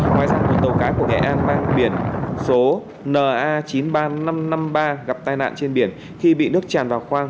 ngoài ra tàu cá của nghệ an mang biển số na chín mươi ba nghìn năm trăm năm mươi ba gặp tai nạn trên biển khi bị nước tràn vào khoang